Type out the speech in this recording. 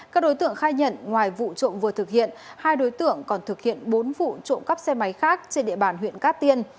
các đối tượng khai nhận ngoài vụ trộm vừa thực hiện hai đối tượng còn thực hiện bốn vụ trộm cắp xe máy khác trên địa bàn huyện cát tiên